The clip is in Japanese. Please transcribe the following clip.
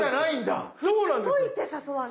振っといて誘わない。